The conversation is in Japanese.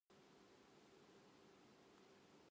漢字って、書かないと忘れるよね